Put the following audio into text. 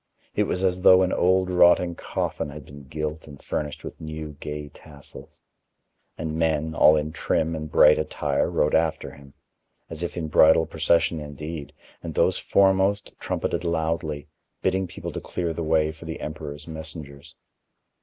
It was as though an old, rotting coffin had been gilt and furnished with new, gay tassels. And men, all in trim and bright attire, rode after him, as if in bridal procession indeed, and those foremost trumpeted loudly, bidding people to clear the way for the emperor's messengers.